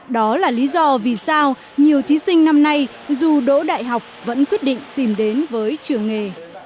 đó là lý do vì sao nhiều thí sinh năm nay dù đỗ đại học vẫn quyết định tìm đến với trường nghề